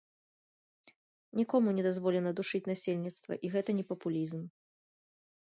Нікому не дазволена душыць насельніцтва, і гэта не папулізм.